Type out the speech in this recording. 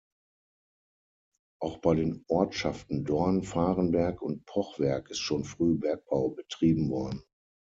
Auch bei den Ortschaften Dorn, Fahrenberg und Pochwerk ist schon früh Bergbau betrieben worden.